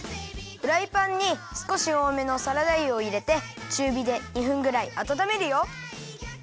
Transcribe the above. フライパンにすこしおおめのサラダ油をいれてちゅうびで２分ぐらいあたためるよ。